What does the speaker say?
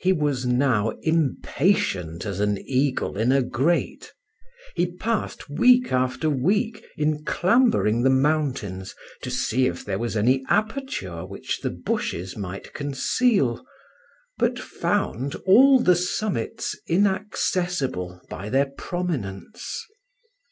He was now impatient as an eagle in a grate. He passed week after week in clambering the mountains to see if there was any aperture which the bushes might conceal, but found all the summits inaccessible by their prominence.